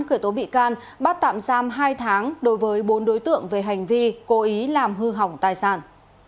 khởi tố bị can bắt tạm giam hai tháng đối với bốn đối tượng về hành vi cố ý làm hư hỏng tài sản